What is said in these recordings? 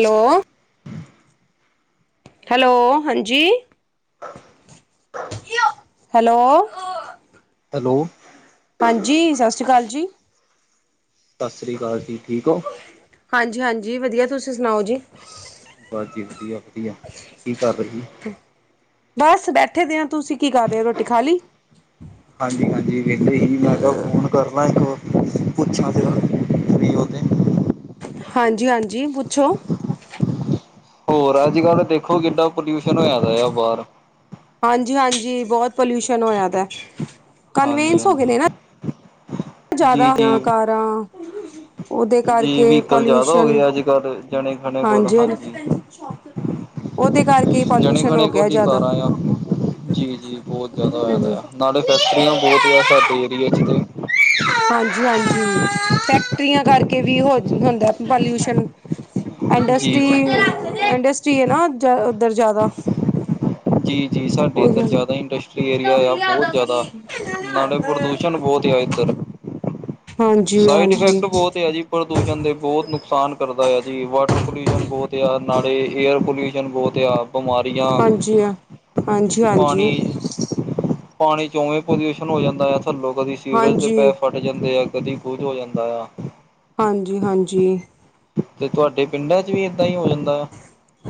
Hello. Hello ਹਾਂਜੀ hello. Hello. ਹਾਂਜੀ ਸਤਿ ਸ਼੍ਰੀ ਅਕਾਲ ਜੀ। ਸਤਿ ਸ਼੍ਰੀ ਅਕਾਲ ਜੀ ਠੀਕ ਹੋ। ਹਾਂਜੀ ਹਾਂਜੀ ਵਧੀਆ ਤੁਸੀਂ ਸੁਣਾਓ ਜੀ? ਬਸ ਜੀ ਵਧੀਆ ਵਧੀਆ ਕੀ ਕਰ ਰਹੇ ਸੀ। ਬਸ ਬੈਠੇ ਪੇ ਆਂ ਤੁਸੀਂ ਕੀ ਕਰ ਰਹੇ ਹੋ ਰੋਟੀ ਖਾ ਲਈ। ਹਾਂਜੀ ਹਾਂਜੀ ਵੇਲੇ ਹੀ ਮੈਂ ਤਾਂ ਫੋਨ ਕਰਨਾ ਪੁੱਛਾਂ ਫਿਰ ਫਰੀ ਹੋ ਤੇ। ਹਾਂਜੀ ਹਾਂਜੀ ਪੁੱਛੋ। ਹੋਰ ਅੱਜ ਕੱਲ੍ਹ ਤੇ ਦੇਖੋ ਕਿੱਡਾ ਪੋਲਿਊਸ਼ਨ ਹੋਇਆ ਬਾਹਰ ਹਾਂਜੀ ਹਾਂਜੀ ਬਹੁਤ ਪੋਲਿਊਸ਼ਨ ਹੋਇਆ ਪਿਆ ਹਾਂਜੀ ਕਨਵੇਨਸ ਹੋਗੇ ਹਾਂਜੀ ਨੇ ਨਾ ਜੀ ਜ਼ਿਆਦਾ ਜੀ ਅਕਾਰਾਂ ਉਹਦੇ ਜੀ ਕਰਕੇ ਵਹੀਕਲ ਜ਼ਿਆਦਾ ਹੋ ਪਲਿਊਸ਼ਨ ਗਏ ਅੱਜ ਕੱਲ੍ਹ ਜਣੇ ਖਣੇ ਕੋਲ ਹਾਂਜੀ [unintelligible] ਉਹਦੇ ਕਰਕੇ ਜਣੇ ਪੋਲਿਊਸ਼ਨ ਹੋ ਖਣੇ ਗਿਆ ਕੋਲ ਹੀ ਜ਼ਿਆਦਾ ਕਾਰਾ ਹੂੰ। ਆ ਜੀ ਜੀ ਬਹੁਤ ਜ਼ਿਆਦਾ ਹੋਇਦਾ ਆ ਨਾਲੇ ਫੈਕਟਰੀਆਂ ਬਹੁਤ ਸਾਡੇ ਏਰੀਏ ਚ ਤੇ ਹਾਂਜੀ ਹਾਂਜੀ ਫੈਕਟਰੀਆਂ ਕਰਕੇ ਵੀ ਹੋ ਹੁੰਦਾ ਪੋਲਿਊਸ਼ਨ [inaudible] ਇੰਦਸਤੀ ਜੀ ਜੀ ਇੰਦਸਤੀ ਹੈ ਨਾ ਉੱਧਰ ਜ਼ਿਆਦਾ ਜੀ ਜੀ ਸਾਡੇ ਉਹੀ ਇੱਧਰ ਹਨ ਜ਼ਿਆਦਾ ਇੰਡਸਟਰੀ ਏਰੀਆ ਵੀ ਆ ਲਿਆ ਬਹੁਤ ਜ਼ਿਆਦਾ ਦਾਂਗੀ ਨਾਲੇ ਪ੍ਰਦੂਸ਼ਣ ਬਹੁਤ ਆ ਇੱਧਰ ਹਾਂਜੀ ਸਾਈਡ ਹਾਂਜੀ ਇਫੈਕਟ ਬਹੁਤ ਆ ਜੀ ਪ੍ਰਦੂਸ਼ਣ ਦੇ ਬਹੁਤ ਨੁਕਸਾਨ ਕਰਦਾ ਆ ਜੀ ਵਾਟਰ ਪੋਲਿਊਸ਼ਨ ਬਹੁਤ ਆ ਨਾਲੇ ਏਅਰ ਪੋਲਿਊਸ਼ਨ ਬਹੁਤ ਆ ਬਿਮਾਰੀਆਂ ਹਾਂਜੀ ਹਾਂਜੀ ਹਾਂਜੀ ਪਾਣੀ ਪਾਣੀ ਚ ਉਵੇਂ ਪਲੇਸ਼ੀਓਂਨ ਹੋ ਜਾਂਦਾ ਆ ਥੱਲੋਂ ਕਦੀ ਸੀਵਰੇਜ ਦੇ ਹਾਂਜੀ ਪੈਪ ਫੱਟ ਜਾਂਦੇ ਆ ਕਦੀ ਕੁਝ ਹੋ ਜਾਂਦਾ ਆ ਹਾਂਜੀ ਹਾਂਜੀ ਤੇ ਤੁਹਾਡੇ ਪਿੰਡਾਂ ਚ ਵੀ ਏਦਾਂ ਹੀ ਹੋ ਜਾਂਦਾ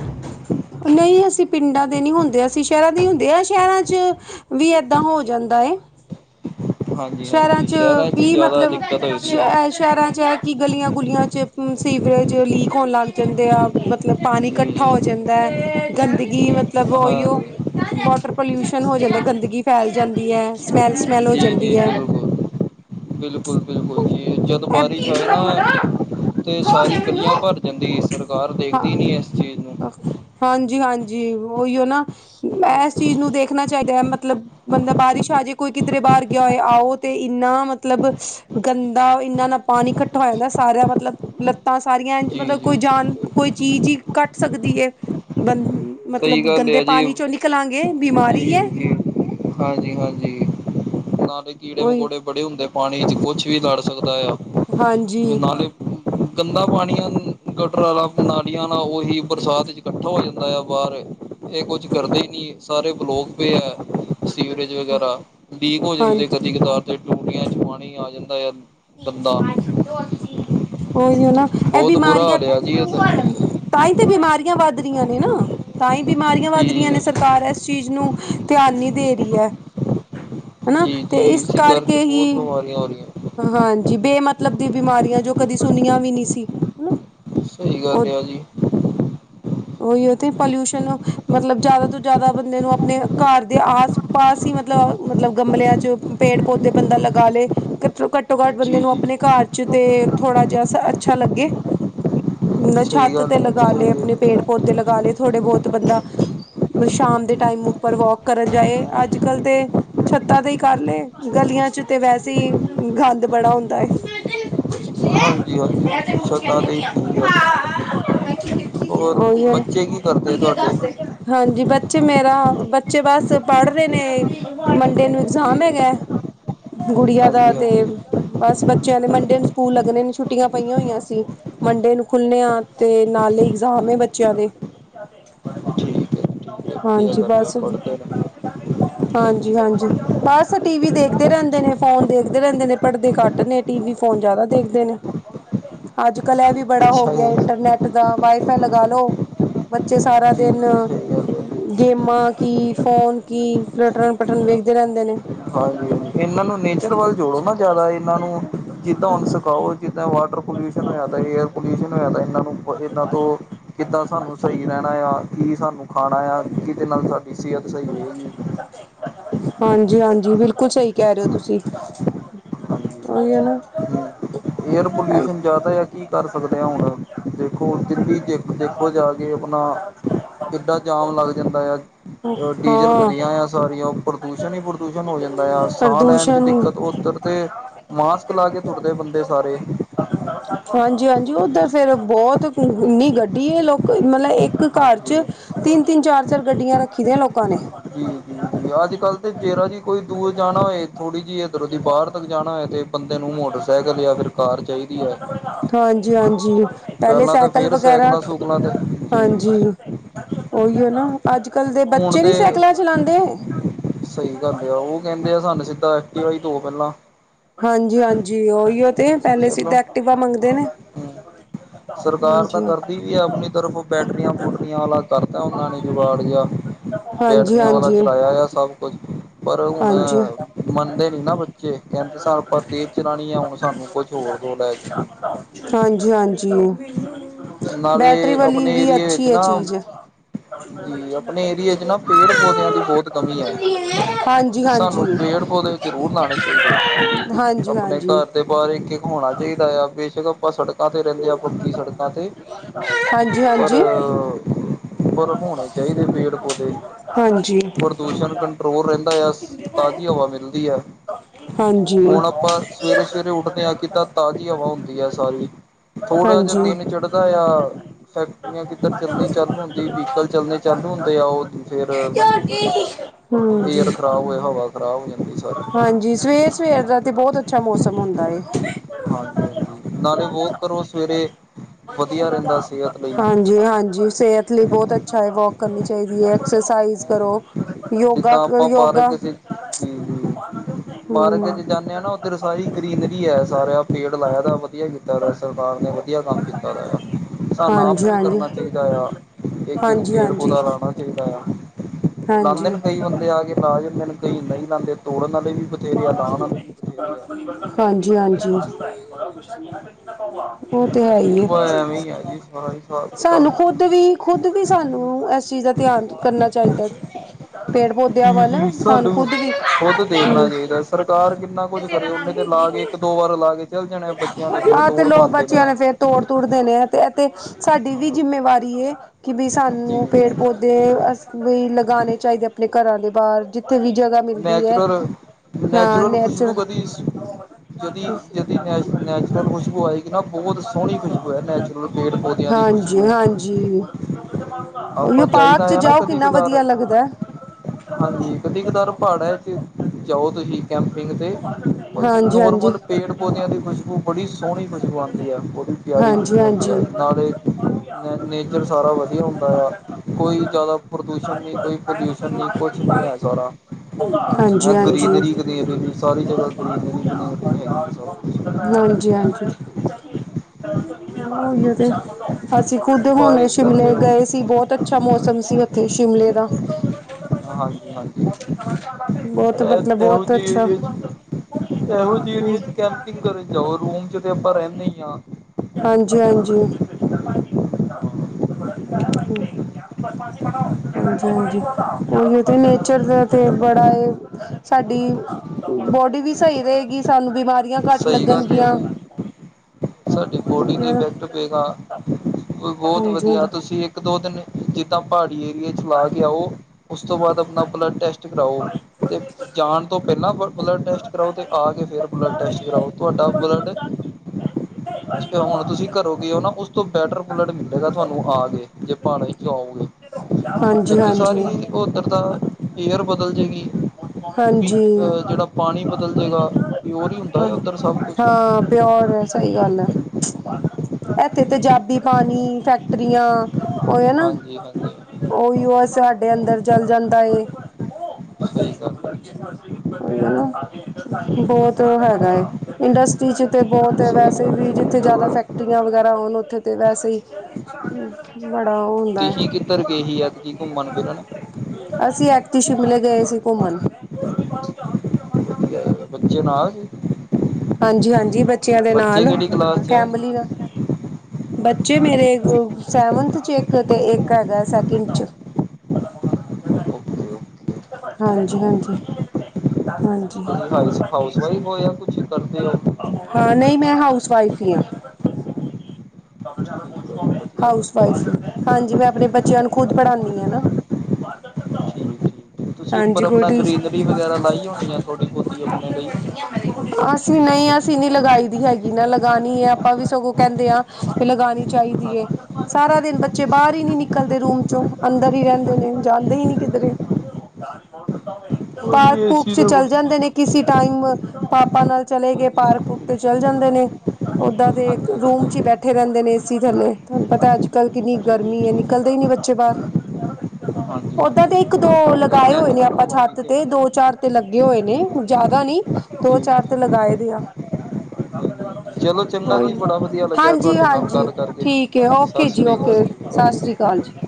ਹਮ [unintelligible] ਨਹੀਂ ਅਸੀਂ ਪਿੰਡਾਂ ਦੇ ਨਹੀਂ ਹੁੰਦੇ ਅਸੀਂ ਸ਼ਹਿਰਾਂ ਦੇ ਹੁੰਦੇ ਆ ਸ਼ਹਿਰਾਂ ਚ ਵੀ ਏਦਾਂ ਹੋ ਜਾਂਦਾ ਏ ਹਾਂਜੀ ਸ਼ਹਿਰਾਂ ਹਾਂਜੀ ਚ ਵੀ ਜ਼ਿਆਦਾ ਮਤਲਬ ਦਿੱਕਤ ਹੋਈ ਦੀ ਹੈ ਸ਼ਹਿਰਾਂ ਚ ਹੈ ਕਿ ਗਲੀਆਂ ਗੁਲੀਆਂ ਚ ਸੀਵਰੇਜ ਲੀਕ ਹੋਣ ਲੱਗ ਜਾਂਦੇ ਆ ਮਲ ਮਤਲਬ ਪਾਣੀ ਜੀ ਇਕੱਠਾ ਹੋ ਜਾਂਦਾ ਜੀ ਹੈ ਗੰਦਗੀ ਮਤਲਬ ਹਾਂ ਉਹੀਓ ਵਾਟਰ ਪੋਲਿਊਸ਼ਨ ਹੋ ਜਾਂਦਾ ਗੰਦਗੀ ਫੈਲ ਜਾਂਦੀ ਹੈ ਸਮੈਲ ਸਮੈਲ ਹੋ ਜੀ ਜਾਂ ਜੀ [inaudible] ਬਿਲਕੁਲ ਬਿਲਕੁਲ ਜੀ ਜਦ ਬਾਰਿਸ਼ ਆਏ ਨਾ ਤੇ ਸਾਰੀ ਗਲੀਆਂ ਭਰ ਜਾਂਦੀ ਸਰਕਾਰ ਦੇਖਦੀ ਹਾਂ ਨੀ ਇਸ ਚੀਜ਼ ਨੂੰ ਹਾਂਜੀ ਹਾਂਜੀ ਉਹੀਓ ਨਾ ਇਸ ਚੀਜ਼ ਨੂੰ ਦੇਖਣਾ ਚਾਹੀਦਾ ਹੈ ਮਤਲਬ ਬੰਦਾ ਬਾਰਿਸ਼ ਆ ਜੇ ਕੋਈ ਕਿਧਰੇ ਬਾਹਰ ਹੋਏ ਆਓ ਤੇ ਇੰਨਾ ਮਤਲਬ ਗੰਦਾ ਇੰਨਾ ਨਾ ਪਾਣੀ ਇਕੱਠਾ ਹੋ ਜਾਂਦਾ ਸਾਰਾ ਮਤਲਬ ਲੱਤਾਂ ਸਾਰੀਆਂ ਮਤਲਬ ਕੋਈ ਜੀ-ਜੀ ਜਾਨ ਕੋਈ ਚੀਜ਼ ਹੀ ਘੱਟ ਸਕਦੀ ਐ ਬੰ ਸਹੀ ਮਤਲਬ ਗੱਲ ਗੰਦੇ ਆ ਜੀ, ਪਾਣੀ ਚੋਂ ਨਿਕਲਾਂਗੇ ਬਿਮਾਰੀ ਐ ਜੀ-ਜੀ ਹਾਂਜੀ-ਹਾਂਜੀ ਨਾਲੇ ਕੀੜੇ ਉਹੀ ਮਕੌੜੇ ਬੜੇ ਹੁੰਦੇ ਪਾਣੀ 'ਚ ਕੁਛ ਵੀ ਲੜ ਸਕਦਾ ਆ ਹਾਂਜੀ ਨਾਲੇ ਗੰਦਾ ਪਾਣੀਆਂ ਗਟਰਾ ਨਾਲੀਆਂ ਨਾਲ ਉਹੀ ਬਰਸਾਤ ਚ ਇਕੱਠਾ ਹੋ ਜਾਂਦਾ ਆ ਬਾਰ ਇਹ ਕੁੱਝ ਕਰਦੇ ਹੀ ਨੀ ਸਾਰੇ ਬਲੋਕ ਪਏ ਐ ਸੀਵਰੇਜ ਵਗੈਰਾ ਲੀਕ ਹੋ ਜਾਂਦੇ ਹਾਂਜੀ ਕਦੀ ਕਤਾਰ ਤੇ ਟੂਟੀਆਂ ਚ ਪਾਣੀ ਆ ਜਾਂਦਾ ਗੰਦਾ ਉਹੀ ਨਾ ਇਹ ਬਹੁਤ ਬੁਰਾ ਬਿਮਾਰੀਆਂ ਹਾਲ ਆ ਜੀ ਉਹਦਾ ਤਾਂਹੀ ਤੇ ਬਿਮਾਰੀਆਂ ਵੱਧ ਰਹੀਆਂ ਨੇ ਨਾ ਤਾਂ ਹੀ ਬਿਮਾਰੀਆਂ ਜੀ ਵੱਧ ਰਹੀਆਂ ਨੇ ਸਰਕਾਰ ਇਸ ਚੀਜ਼ ਨੂੰ ਧਿਆਨ ਨੀ ਦੇ ਰੀ ਐ ਹਨਾ ਜੀ ਤੇ ਜੀ ਇਸ ਇਸੀ ਕਰਕੇ ਹੀ [inaudible] ਹਾਂਜੀ ਬੇਮਤਲਬ ਦੀ ਬਿਮਾਰੀਆਂ ਜੋ ਕਦੀ ਸੁਣੀਆਂ ਵੀ ਨੀ ਸੀ ਹਨਾ ਸਹੀ ਗੱਲ ਉਹ ਆ ਜੀ ਉਹੀ ਉਥ ਪੋਲਿਊਸ਼ਨ ਮਤਲਬ ਜ਼ਿਆਦਾ ਤੋਂ ਜ਼ਿਆਦਾ ਬੰਦੇ ਨੂੰ ਆਪਣੇ ਘਰ ਦੇ ਆਸ ਪਾਸ ਹੀ ਮਤਲਬ-ਮਤਲਬ ਗਮਲਿਆਂ ਚ ਪੇੜ ਪੌਦੇ ਬੰਦਾ ਲਗਾ ਲਏ ਘੱਟੋ ਘੱਟ ਜੀ ਬੰਦੇ ਨੂੰ ਜੀ ਆਪਣੇ ਘਰ ਚ ਤੇ ਥੋੜਾ ਜਿਹਾ ਅੱਛਾ ਲੱਗੇ ਸਹੀ ਛੱਤ ਗੱਲ ਤੇ ਹੈ ਜੀ ਲਗਾ ਲਏ ਸਹੀ ਆਪਣੇ ਪੇੜ ਪੌਦੇ ਲਗਾ ਲਏ ਥੋੜੇ ਬਹੁਤ ਬੰਦਾ ਸ਼ਾਮ ਦੇ ਟਾਈਮ, ਪਰ ਵੋਕ ਕਰਨ ਜਾਏ ਅੱਜ-ਕੱਲ ਤੇ ਛੱਤਾਂ ਤੇ ਹੀ, ਕਰ ਲਏ ਗਲੀਆਂ ਚ ਤੇ ਵੈਸੇ ਹੀ ਗੰਦ, ਬੜਾ ਹੁੰਦਾ [inaudible] ਹੈ ਹਾਂਜੀ ਹਾਂਜੀ ਛੱਤਾਂ ਤੇ ਹੀ ਠੀਕ ਆ ਹੋਰ ਉਹੀ ਬੱਚੇ ਕੀ ਕਰਦੇ ਤੁਹਾਡੇ [inaudible] ਹਾਂਜੀ, ਬੱਚੇ ਮੇਰਾ ਬੱਚੇ ਬਸ ਪੜ੍ਹ ਰਹੇ, ਨੇ ਮੰਡੇ ਨੂੰ ਜੀ ਇਗਜ਼ਾਮ ਹੈਗਾ ਗੁੜੀਆਂ ਦਾ ਹਾਂਜੀ ਤੇ ਹਾਂਜੀ ਬਸ ਬੱਚਿਆਂ ਦੇ ਮੰਡੇ ਨੂੰ ਸਕੂਲ ਲੱਗਣੇ ਨੇ, ਛੁੱਟੀਆਂ ਪਈਆਂ ਹੋਈਆਂ, ਸੀਂ। ਮੰਡੇ ਨੂੰ ਖੁਲਣੇ ਤੇ ਨਾਲੇ ਇਗਜ਼ਾਮ ਹੈ ਬੱਚਿਆਂ ਦੇ ਠੀਕ ਹੈ ਠੀਕ ਹੈ ਵਧੀਆ ਹਾਂਜੀ ਗੱਲ ਆ ਬਸ, ਪੜ੍ਹਦੇ ਨੇ ਜੀ ਜੀ ਹਾਂਜੀ-ਹਾਂਜੀ ਬਸ ਟੀ ਵੀ ਦੇਖਦੇ ਰਹਿੰਦੇ ਨੇ, ਫੋਨ ਦੇਖਦੇ ਰਹਿੰਦੇ ਨੇ ਪੜ੍ਹਦੇ ਘੱਟ ਨੇ ਟੀ-ਵੀ ਫੋਨ ਜ਼ਿਆਦਾ ਦੇਖਦੇ ਨੇ ਅੱਜ ਕੱਲ ਇਹ ਵੀ ਬੜਾ ਹੋ ਅੱਛਾ ਗਿਆ ਜੀ ਇੰਟਰਨੈਟ ਦਾ ਵਾਈ-ਫਾਈ ਲਗਾਾ ਲੋ ਬੱਚੇ ਸਾਰਾ ਜੀ ਦਿਨ ਜੀ ਸਹੀ ਗੱਲ ਹੈ ਗੇਮਾਂ ਕੀ ਫੋਨ ਕੀ ਅਟਰਨ-ਪਟਰਨ ਵੇਖਦੇ ਰਹਿੰਦੇ ਨੇ ਹਾਂਜੀ, ਇਹਨਾਂ ਨੂੰ ਨੇਚਰ ਵੱਲ ਜੋੜਨਾ ਜ਼ਿਆਦਾ ਏ ਇਹਨਾਂ ਨੂੰ ਜਿੱਦਾਂ ਹੁਣ ਸਿਖਾਓ ਜਿੱਦਾਂ ਵਾਟਰ ਪੋਲਿਊਸ਼ਨ ਹੈਗਾ ਏ ਏਅਰ ਪੋਲਿਊਸ਼ਨ ਹੈਗਾ ਏ ਇਹਨਾਂ ਨੂੰ ਇਹਨਾਂ ਤੋਂ ਕਿੱਦਾਂ ਸਾਨੂੰ ਸਹੀ ਰਹਿਣਾ ਆ ਕੀ ਸਾਨੂੰ ਖਾਣਾ ਆ ਕਿਹਦੇ ਨਾਲ ਏ ਸੀ ਅੱਜ ਤੱਕ ਸਹੀ ਹੋਇਆ ਨਹੀਂ ਹਾਂਜੀ-ਹਾਂਜੀ ਬਿਲਕੁਲ ਸਹੀ ਕਹਿ ਰਹੇ ਹੋ ਤੁਸੀਂ ਹਾਂਜੀ ਓਹੀ ਨਾ ਏਅਰ ਪੋਲਿਊਸ਼ਨ ਜ਼ਿਆਦਾ ਆ ਕੀ ਕਰ ਸਕਦੇ ਆ ਹੁਣ ਦੇਖੋ ਦਿੱਲੀ ਦੇਖ ਦੇਖੋ ਓ ਜਾ ਕੇ ਆਪਣਾ ਕਿੱਡਾ ਜਾਮ ਲੱਗ ਜਾਂਦਾ ਆ ਡੀਜ਼ਲ ਗੱਡੀਆਂ ਹਾਂ ਆ ਸਾਰੀਆਂ ਪ੍ਰਦੂਸ਼ਣ ਹੀ ਪ੍ਰਦੂਸ਼ਣ ਹੋ ਜਾਂਦਾ ਆ ਸਾਹ ਲੈਣ ਚ ਪ੍ਰਦੂਸ਼ਣ ਹੀ ਦਿੱਕਤ ਉੱਧਰ ਤੇ ਮਾਸਕ, ਲਾ ਕੇ ਤੁਰਦੇ ਬੰਦੇ ਸਾਰੇ ਹਾਂਜੀ-ਹਾਂਜੀ ਉਹ ਤੇ ਫੇਰ ਬਹੁਤ ਗੂਗੀ ਗੱਡੀ ਹੈ ਮਤਲਬ ਇੱਕ ਇੱਕ ਘਰ ਚ ਹਾਂਜੀ ਤਿੰਨ-ਤਿੰਨ ਚਾਰ-ਚਾਰ ਗੱਡੀਆਂ ਰੱਖੀਆਂ ਦੀਆਂ ਲੋਕਾਂ ਨੇ ਜੀ, ਜੀ-ਜੀ ਅੱਜ ਕੱਲ੍ਹ ਤੇ ਜਿਹੜਾ ਜੀ ਕੋਈ ਦੂਰ ਜਾਣਾ ਹੋਏ ਥੋੜ੍ਹੀ ਜਿਹੀ ਇੱਧਰੋਂ ਦੀ ਬਾਹਰ ਤੱਕ ਜਾਣਾ ਹੋਏ, ਤੇ ਬੰਦੇ ਨੂੰ ਮੋਟਰਸਾਈਕਲ ਜਾਂ ਫਿਰ ਕਾਰ ਚਾਹੀਦੀ ਐ। ਹਾਂਜੀ-ਹਾਂਜੀ ਪਹਿਲੇ ਤਾਂ ਸਾਈਕਲ ਫੇਰ ਵਗੈਰਾ ਸਾਈਕਲਾਂ ਸੂਕਲਾਂ ਤੇ ਜੀ ਹਾਂਜੀ ਉਹੀ ਹੈ ਨਾ ਅੱਜ ਕੱਲ ਦੇ ਹੁਣ ਬੱਚੇ ਨਈ ਤੇ ਸਾਈਕਲਾਂ ਚਲਾਉਂਦੇ। ਸਹੀ ਗੱਲ ਆ ਉਹ ਕਹਿੰਦੇ ਸਾਨੂੰ ਸਿੱਧਾ ਐਕਟਿਵਾ ਦੋ ਪਹਿਲਾਂ। ਹਾਂਜੀ ਹਾਂਜੀ ਉਇਓ ਤੇ ਪਹਿਲੇ ਸਿੱਧ ਚਲੋ ਐਕਟਵਾ ਮੰਗਦੇ ਨੇ ਹਾਂਜੀ। ਤੇ ਆਪਣੀ ਤਰਫੋ ਬੈਟਰੀਆਂ ਬੂਟਰੀਆਂ ਵਾਲਾ ਕਰਤਾ ਉਹਨਾਂ ਨੇ ਜਗਾੜ ਜਿਹਾ। ਹਾਂਜੀ ਬੈਟਰੀਆਂ ਵਾਲਾ ਹਾਂਜੀ ਚਲਾਇਆ ਹੋਇਆ ਸਭ ਕੁਛ ਪਰ ਹੁਣ ਹਾਂਜੀ ਮੰਨਦੇ ਨੀ ਨਾ ਬ ਕਹਦੇ ਅਸਾਂ ਤੇਜ਼ ਚਲਾਉਣੀ ਆ ਹੁਣ ਸਾਨੂੰ ਕੁਛ ਹੋਰ ਦੋ ਲੈ ਕੇ ਹਾਂਜੀ ਹਾਂਜੀ। [inaudible] ਮੈਨੂੰ ਬੈਟਰੀ ਨਾਲੇ ਵਾਲੀ ਆਪਣੇ ਵੀ ਏਰੀਏ ਵਿੱਚ ਅੱਛੀ ਏ ਨਾ ਚੀਜ਼। ਜੀ ਆਪਣੇ ਏਰੀਏ ਚ ਨਾ ਪੇੜ ਪੌਦਿਆਂ ਦੀ ਬਹੁਤ ਕਮੀ ਹੈ ਹਾਂਜੀ ਹਾਂਜੀ ਸਾਨੂੰ ਪੇੜ ਪੌਦੇ [inaudible] ਜ਼ਰੂਰ ਲਾਣੇ ਚਾਹੀਦੇ ਹਾਂਜੀ ਆਪਣੇ ਹਾਂਜੀ ਘਰ ਦੇ ਬਾਹਰ ਇੱਕ ਇੱਕ ਹੋਣਾ ਚਾਹੀਦਾ ਆ ਬੇਸ਼ੱਕ ਆਪਾਂ ਸੜਕਾਂ ਤੇ ਰ ਪੱਕੀ ਸੜਕਾਂ ਤੇ ਹਾਂਜੀ ਪਰ ਪਰ ਹੋਣੇ ਚਾਹੀਦੇ ਪੇੜ ਪੌਦੇ ਹਾਂਜੀ ਪ੍ਰਦੂਸ਼ਣ ਕੰਟਰੋਲ ਰਹਿੰਦਾ ਹੈ ਤਾਜ਼ੀ ਹਵਾ ਮਿਲਦੀ ਹੈ। ਹਾਂਜੀ ਹਾਂਜੀ ਹੁਣ ਆਪਾਂ ਸਵੇਰੇ ਸਵੇਰੇ ਉੱਠਦੇ ਹਾਂ ਕਿਦਾ ਤਾਜ਼ੀ ਹਵਾ ਹੁੰਦੀ ਹੈ ਸਾਰੀ। ਥੋੜ੍ਹਾ ਜਿਹਾ ਦਿਨ ਚੜ੍ਹਦਾ ਆ। ਫੈਕਟਰੀਆਂ ਕਿੱਧਰ ਚੱਲਣੀ ਚੱਲ ਪੈਦੀ ਵਹੀਕਲ ਚੱਲਣੇ ਚਾਲੂ ਹੁੰਦੇ ਆ ਉਹ ਫ਼ੇਰ। ਹਾਂਜੀ ਏਅਰ ਖ਼ਰਾਬ ਹੋਇਆ ਹਵਾ ਖ਼ਰਾਬ ਹੋ ਜਾਂਦੀ ਐ ਸਾਰੀ। ਹਾਂਜੀ ਸਵੇਰ ਸਵੇਰ ਦਾ ਤੇ ਬਹੁਤ ਅੱਛਾ ਮੌਸਮ ਹੁੰਦਾ ਏ। ਹਾਂਜੀ ਹਾਂਜੀ ਨਾਲੇ ਵੋਕ ਕਰੋ ਸਵੇਰੇ ਵਧੀਆ ਰਹਿੰਦਾ ਸਿਹਤ ਲਈ ਵੀ। ਜੀ ਹਾਂਜੀ ਸਿਹਤ ਲਈ ਬਹੁਤ ਅੱਛਾ ਹੈ। ਵੋਕ ਕਰਨੀ ਚਾਹੀਦੀ ਹੈ। ਐਕਸਰਸਾਈਜ਼ ਕਰੋ। ਯੋਗਾ ਜਿੱਦਾਂ ਕਰ ਆਪਾਂ ਯੋਗਾ ਪਾਰਕ ਚ ਹਮ। ਇੱਧਰ ਸਾਰੀ ਗਰੀਨਰੀ ਹੈ। ਸਾਰਾ ਪੇੜ ਲਾਇਆ ਦਾ ਵਧੀਆ ਕੀਤਾ ਸਰਕਾਰ ਨੇ ਵਧੀਆ ਕੰਮ ਕੀਤਾ। ਸਾਨੂੰ ਆਪ ਹਾਂਜੀ ਵੀ ਹਾਂਜੀ ਕਰਨਾ ਚਾਹੀਦਾ ਆ। ਇੱਕ ਇੱਕ ਹਾਂਜੀ ਪੇੜ ਹਾਂਜੀ ਪੋਧਾ ਲਾਉਣਾ। ਚਾਹੀਦਾ ਆ। ਲਾਉਂਦੇ ਨੇ ਹਾਂਜੀ ਕਈ ਬੰਦੇ ਆ ਕੇ ਲਾ ਜਾਂਦੇ ਨੇ ਕਈ ਨਹੀਂ ਲਾਉਂਦੇ ਤੋੜਨ ਵਾਲੇ ਵੀ। ਬਥੇਰੇ ਆ ਲਾਉਣ ਵਾਲੇ ਵੀ ਬਥੇਰੇ ਆ ਹਾਂਜੀ ਹਾਂਜੀ। ਉਹ ਤੇ ਹੈ ਹੀ ਐ। ਉਹ ਐਵੇਂ ਹੀ ਆ ਜੀ ਸਾਰਾ ਹਿਸਾਬ ਕਿਤਾਬ ਸਾਨੂੰ ਖੁਦ ਵੀ ਖੁਦ ਵੀ ਸਾਨੂੰ ਇਸ ਚੀਜ਼ ਦਾ ਧਿਆਨ ਕਰਨਾ ਚਾਹੀਦਾ। ਪੇੜ ਪੌਦਿਆਂ ਜੀ ਵੱਲ ਜੀ ਸਾਨੂੰ ਖੁੱਦ ਵੀ ਖੁਦ ਦੇਖਣਾ ਹਮ। ਸਰਕਾਰ ਕਿੰਨਾ ਕੁੱਝ ਕਰੇ। ਓਨੇ ਤੇ ਲਾ ਕੇ ਇੱਕ ਦੋ ਵਾਰ ਲਾ ਕੇ ਚੱਲ ਜਾਣੇ ਬੱਚਿਆਂ ਨੇ ਫੇਰ ਆਹ ਤੇ ਤੋੜ ਲੋ ਪੰਣ ਬੱਚਿਆਂ ਦੇਣੇਆ। ਨੇ ਫੇਰ ਤੋੜ ਤੁੜ ਦੇਣੇ ਆ। ਤੇ ਏਤੇ ਸਾਡੀ ਵੀ ਜਿੰਮੇਵਾਰੀ ਏਂ। ਕਿ ਵੀ ਜੀ ਸਾਨੂੰ ਜੀ ਪੇੜ ਪੌਦੇ ਜੀ ਅਸੀ ਵੀ ਲਗਾਣੇ ਚਾਹੀਦੇ ਆਪਣੇ ਘਰਾਂ ਦੇ ਬਾਹਰ ਜ। ਨੈਚੁਰਲ ਨੈਚੁਰਲ ਖੁਸ਼ਬੂ ਕਦੀ ਜਦੀ ਜ ਨੈਚੁਰਲ ਖੁਸ਼ਬੂ ਆਏਗੀ ਨਾ ਬਹੁਤ ਸੋਹਣੀ ਖੁਸ਼ਬੂ ਹੈ ਨੈਚੁਰਲ ਪੇੜ ਪੌਦਿਆਂ ਦੀ ਹਾਂਜੀ ਖੁਸ਼ਬੂ। ਹਾਂਜੀ ਆਪਾਂ ਉਹੀਓ ਪਾਰਕ ਜਾਈਦਾ ਚ ਆ ਨਾ ਜਾਓ ਕਦੀ ਕਿੰਨਾ ਕਦਾਰ ਵਧੀਆ ਲੱਗਦਾ। ਹਾਂਜੀ ਕਦੀ ਕਧਾਰ ਪਹਾੜਾ ਚ ਜਾਓ ਤੁਸੀਂ। ਕੈਂਪਿੰਗ ਤੇ ਹਾਂਜੀ ਹਾਂਜੀ ਨੋਰਮਲ ਪੇੜ ਪੌਧੇਆਂ ਦੀ ਖੁਸ਼ਬੂ ਬੜੀ ਸੋਹਣੀ ਖੁਸ਼ਬੂ ਆਉਂਦੀ ਹੈ। ਤਿਆਰੀ ਹਾਂਜੀ ਸ਼ੁਰੂ ਹੁੰਦੇ ਆ ਹਾਂਜੀ ਨਾਲੇ ਨੇਚਰ ਸਾਰਾ ਵਧੀਆ ਹੁੰਦਾ ਆ ਕੋਈ ਜ਼ਿਆਦਾ ਪ੍ਰਦੂਸ਼ਣ ਨਹੀਂ ਕੋਈ ਪੋਲਿਊਸ਼ਨ ਨਹੀਂਕੁਛ ਨਹੀਂ ਹੈ। ਸਾਰਾ ਐ ਹਾਂਜੀ ਗਰੀਨਰੀ ਹਾਂਜੀ ਏ ਕੋਈ ਸਾਰੀ ਜਗਾ ਗਰੀਨਰੀ ਨਹੀਂ ਹੈਗੀ ਸਭ ਕੁਛ। ਹਾਂਜੀ ਹਾਂਜੀ। [inaudible] ਅਸੀਂ ਖੁੱਦ ਆਪਾਂ ਹੁਣੇ ਇੱਧਰ ਦੇ ਸ਼ਿਮਲੇ ਹੋ ਗਏ ਸੀ ਬਹੁਤ ਅੱਛਾ ਮੌਸਮ ਸੀ ਉੱਥੇ ਸ਼ਿਮਲੇ ਦਾ। ਹਾਂਜੀ ਹਾਂਜੀ ਬਹੁਤ ਮਤਲਬ ਇਹ ਇਹੋ ਬਹੁਤ ਅੱਛਾ ਜਿਹੀ ਇਹੋ ਜਿਹੇ ਹਮ ਏਰੀਏ ਚ ਕੈਂਪਿੰਗ ਕਰਨ ਜਾਓ। ਰੂਮ ਚ ਤੇ ਆਪਾਂ ਰਹਿੰਦੇ ਹੀ ਹਾਂ। ਹਾਂਜੀ ਹਾਂਜੀ। ਹਾਂਜੀ ਹਾਂਜੀ ਉਹੀ ਤੇ ਨੇਚਰ ਦਾ ਤੇ ਬੜਾਏ ਸਾਡੀ ਬੋਡੀ ਵੀ ਸਹੀ ਰਹੇਗੀ। ਸਾਨੂੰ ਬਿਮਾਰੀਆਂ ਘੱਟ ਸਹੀ ਗੱਲ ਆ ਲੱਗਣਗੀਆਂ। ਜੀ ਸਾਡੀ ਬੋਡੀ ਹਾਂਜੀ ਤੇ ਇਫੈਕਟ ਪਏਗਾ। ਉਹ ਬਹੁਤ ਹਾਂਜੀ ਵਧੀਆ ਤੁਸੀਂ ਇੱਕ। ਇੱਕ ਦੋ ਦਿਨ ਜਿੱਦਾਂ ਪਹਾੜੀ ਏਰੀਏ ਚ ਲਾਕੇ ਆਓ। ਉਸ ਤੋਂ ਬਾਅਦ ਆਪਣਾ ਬਲੱਡ ਟੈਸਟ ਕਰਾਓ ਤੇ ਜਾਣ ਤੋਂ ਪਹਿਲਾਂ ਬਲੱਡ ਟੈਸਟ ਕਰਾਓ ਤੇ ਆ ਕੇ ਫਿਰ ਬਲੱਡ ਟੈਸਟ ਕਰਾਓ, ਤੁਹਾਡਾ ਬਲੱਡ ਜਿੱਦਾਂ ਹੁਣ ਤੁਸੀਂ ਘਰੋਂ ਗਏ ਹੋ ਨਾ ਉਸ ਤੋਂ ਬੈਟਰ ਬਲੱਡ ਮਿਲੇਗਾ ਤੁਹਾਨੂੰ ਆਕੇ, ਜੇ ਪਹਾਂੜਾ ਚ ਜਾਉਗੇ। ਹਾਂਜੀ ਕਿਉਂਕਿ ਹਾਂਜੀ ਸਾਰੀ ਉਹ ਉੱਧਰ ਤਾਂ ਏਅਰ ਬਦਲ ਜਾਏਗੀ। ਵੀ ਹਾਂਜੀ ਅਹ ਜਿਹੜਾ ਪਾਣੀ ਬਦਲ ਜਏਗਾ ਪੀਓਰ ਈ ਹੁੰ ਹਾਂ, ਹਾਂ। ਪਿਯੋਰ ਹੈ। ਸਹੀ ਗੱਲ ਹੈ। ਇੱਥੇ ਤੇ ਜਾਬੀ ਪਾਣੀ, ਫੈਕਟਰੀਆਂ ਉਹ ਹੈ ਨਾ ਹਾਂਜੀ ਹਾਂਜੀ ਉਹੀ ਸਾਡੇ ਅੰਦਰ ਚਲ ਜਾਂਦਾ ਏ ਸਹੀ ਗੱਲ ਏ। [unintelligible] ਬਹੁਤ ਹੈਗਾ ਹੈ। ਇੰਡਸਟਰੀ ਚ ਤੇ ਬਹੁਤ ਹੈ ਸਹੀ ਵੈਸੇ ਗੱਲ ਵੀ ਹੈ ਜੀ ਜਿੱਥੇ ਜ਼ਿਆਦਾ ਹੋਰ ਫੈਕਟਰੀਆਂ ਵਗੈਰਾ ਹੋਣ ਉੱਥੇ ਤੇ ਵੈਸੇ ਹੀ ਬੜਾ ਉਹ ਹੁੰਦਾ ਹੈ ਤੁਸੀਂ ਕਿੱਧਰ ਗਏ ਹੀ ਐਤਕੀ ਘੁੰਮਣ ਫਿਰਨ? ਅਸੀਂ ਐਤਕੀ ਸ਼ਿਮਲੇ ਗਏ ਸੀ ਘੁੰਮਣ। ਵਧੀਆ [unintelligible] ਬੱਚੇ ਨਾਲ ਸੀ? ਹਾਂਜੀ ਹਾਂਜੀ, ਬੱਚਿਆਂ ਦੇ ਬੱਚੇ ਨਾਲ, ਕਿਹੜੀ ਕਲਾਸ 'ਚ ਫੈਮਲੀ ਆ। ਬੱਚੇ ਮੇਰੇ, ਸੈਵਨਥ ਚ ਇੱਕ ਤੇ ਇੱਕ ਹੈਗਾ ਸੈਕਿੰਡ ਚ। ਓਕੇ ਓਕੇ ਓਕੇ ਹਾਂਜੀ ਠੀਕ ਹੈ। ਹਾਂਜੀ। ਤੇ ਹਾਂਜੀ। ਤੁਸੀਂ ਹਾਉਸ ਹਾਊਸ-ਵਾਈਫ ਹੋ? ਯਾ ਕੁਛ ਕਰਦੇ ਔ? ਹਾਂ, ਨਹੀਂ ਮੈਂ ਹਾਊਸ-ਵਾਈਫ ਈ ਆਂ। ਠੀਕ ਹੈ ਜੀ ਵਧੀਆ ਗੱਲ ਹੈ ਹਾਊਸ-ਵਾਈਫ, ਹਾਂਜੀ ਮੈਂ ਆਪਣੇ ਬੱਚਿਆਂ ਨੂੰ ਖੁਦ ਪੜ੍ਹਾਣੀ ਆ ਨਾ। ਠੀਕ ਠੀ, ਤੁਸੀਂ ਹਾਂਜੀ ਉੱਪਰ ਕੋਈ ਅਪਣਾ ਟਿਊਸ਼ ਗਰੀਨਰੀ ਵਗੈਰਾ ਲਾਈ ਹੋਣੀ ਆ ਥੋੜੀ ਬੌਤੀ ਅਪਣੇ ਲਈ? [inaudible] ਅਸੀਂ ਨਹੀਂ ਅਸੀਂ ਨੀ ਲਗਾਈ ਦੀ ਹੈਗੀ ਨਾ ਲਗਾਣੀ ਏ ਅਪਾਂ ਵੀ ਸਗੋਂ ਕੈੰਦੇ ਆ ਕੀ ਲਗਾਣੀ ਚਾਈਦੀ ਏ। ਹਾਂਜੀ ਸਾਰਾ ਦਿਨ ਬੱਚੇ ਬਾਰ ਈ ਨੀ ਨਿਕਲਦੇ ਰੂਮ ਚੋਂ, ਅੰਦਰ ਹੀ ਰੈੰਦੇ ਨੇ, ਜਾਂਦੇ ਈ ਨੀ ਕਿਧਰੇ। [inaudible] ਪਾਰਕ ਪੂਕ ਏਸੀ ਚ ਦਾ ਚੱਲ ਜਾਂਦੇ ਨੇ ਕਿਸੀ ਟਾਈਮ, ਪਾਪ ਪਾ ਨਾਲ ਚਲੇ ਗਏ ਹਾਂਜੀ ਪਾਰਕ ਪੂਕ ਤੇ ਚੱਲ ਜਾਂਦੇ ਨੇ। ਓਦਾਂ ਤੇ ਏਕ ਹਾਂਜੀ ਰੂਮ ਚ ਈ ਬੈਠੇ ਰੈੰਦੇ ਨੇ ਏ-ਸੀ ਥੱਲੇ। ਤੁਹਾਨ ਪਤੈ ਅੱਜ-ਕੱਲ ਕਿੰਨੀ ਠੀਕ ਗਰਮੀ ਏ ਏ ਨਿ ਕਲਦੇ ਠੀਕ ਹੀ ਨੀ ਬੱਚੇ ਬਾਰ। [inaudible] ਚਲਦਾ ਬਏ ਹਾਂਜੀ ਓਦਾਂ ਹਾਂਜੀ ਦੇ ਇੱਕ-ਦੋ ਤੇ ਲਗਾਏ ਹੋਏ ਨੇ ਨੈਚੁਰਲ ਆਪਾਂ ਹਵਾ ਵੀ ਛੱਤ ਤੇ, ਦੇਣੀ ਚਾਹੀਦੀ ਦੋ-ਚਾਰ ਤੇ ਲੱਗੇ ਹੋਏ ਨੇ, ਜ਼ਿਆਦਾ ਨਹੀਂ ਜੀ ਦੋ-ਚਾਰ ਤੇ ਲਗਾਏ ਜੀ ਦੇ ਆ। ਹਾਂਜੀ ਹਾਂਜੀ ਚਲੋ ਚੰਗਾ ਜੀ ਬੜਾ ਵਧੀਆ ਲੱਗਿਆ ਤੁਹਾਡੇ ਨਾਲ ਹਾਂਜੀ-ਹਾਂਜੀ, ਗੱਲ ਕਰਕੇ ਠੀਕ ਹੈ। ਓਕੇ ਸਤਿ ਜੀ ਸ੍ਰੀ ਅਕਾਲ ਓਕੇ। ਜੀ ਸਾ ਸ੍ਰੀ ਕਾਲ ਜੀ।